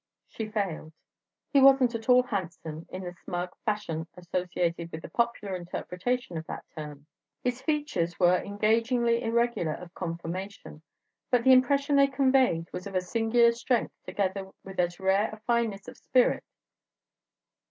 She failed. He wasn't at all handsome in the smug fashion associated with the popular interpretation of that term; his features were engagingly irregular of conformation, but the impression they conveyed was of a singular strength together with as rare a fineness of spirit.